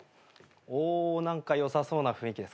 お何かよさそうな雰囲気です。